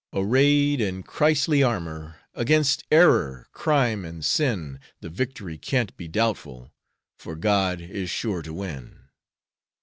Arrayed in Christly armor 'Gainst error, crime, and sin, The victory can't be doubtful, For God is sure to win.